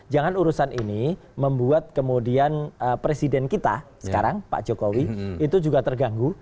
jangan urusan ini membuat kemudian presiden kita sekarang pak jokowi itu juga terganggu